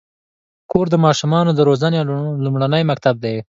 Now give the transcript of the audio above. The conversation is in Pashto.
کور د ماشومانو د روزنې لومړنی مکتب دی.